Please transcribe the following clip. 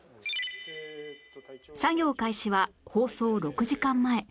作業開始は放送６時間前